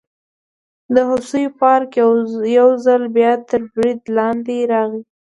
د هوسیو پارک یو ځل بیا تر برید لاندې راغی.